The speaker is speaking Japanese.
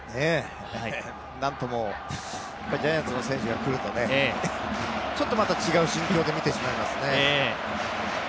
なんともジャイアンツの選手が来るとね、またちょっと違った心境で見てしまいますね。